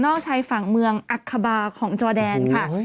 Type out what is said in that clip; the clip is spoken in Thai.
ชายฝั่งเมืองอัคบาของจอแดนค่ะ